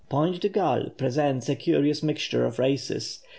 Point de Galle presents a curious mixture of races.